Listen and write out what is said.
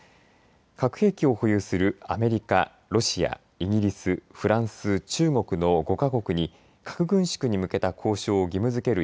核兵器を保有するアメリカ、ロシアイギリス、フランス、中国の５か国に核軍縮に向けた交渉を義務づける